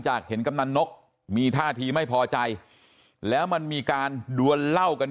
เห็นกำนันนกมีท่าทีไม่พอใจแล้วมันมีการดวนเหล้ากัน